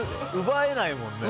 奪えないもんね。